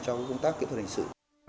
cho công tác kỹ thuật hình sự